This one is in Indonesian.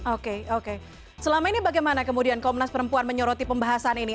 oke oke selama ini bagaimana kemudian komnas perempuan menyoroti pembahasan ini